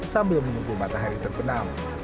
sambil menunggu matahari terbenam